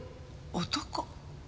男？